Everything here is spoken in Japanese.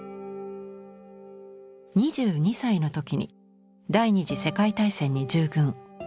２２歳の時に第二次世界大戦に従軍。